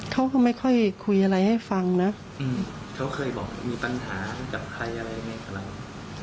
เขาก็ไม่ค่อยคุยอะไรให้ฟังนะอืมเขาเคยบอกมีปัญหาของใครอะไรอย่างนี้